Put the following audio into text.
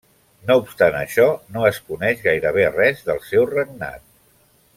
No obstant això, no es coneix gairebé res del seu regnat.